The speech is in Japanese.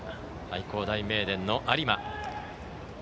愛工大名電の有馬。